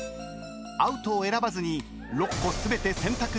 ［アウトを選ばずに６個全て選択できればクリア］